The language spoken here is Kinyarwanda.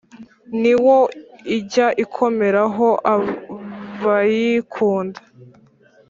Ni wo ijya ikomeraho abayikunda.